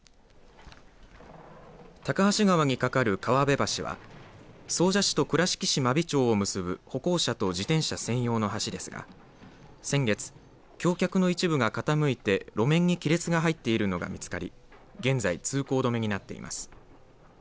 高梁川に架かる川辺橋は総社市と倉敷市真備町を結ぶ歩行者と自転車専用の橋ですが先月、橋脚の一部が傾いて路面に亀裂が入っているのが見つかり現在通行止めになっています。